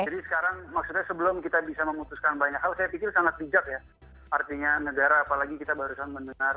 jadi sekarang maksudnya sebelum kita bisa memutuskan banyak hal saya pikir sangat bijak ya artinya negara apalagi kita baru saja mendengar